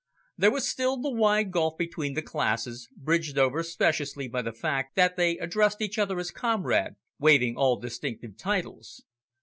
There was still the wide gulf between the classes, bridged over speciously by the fact that they addressed each other as "comrade," waiving all distinctive titles.